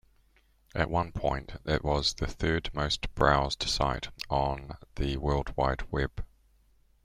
At one point it was the third-most-browsed site on the World Wide Web.